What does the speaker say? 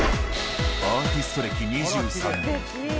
アーティスト歴２３年。